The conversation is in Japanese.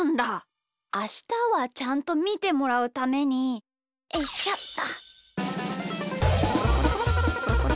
あしたはちゃんとみてもらうためにおいしょっと。